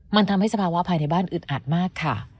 มันทำให้สภาวะภายในบ้านอึดอัดมากค่ะ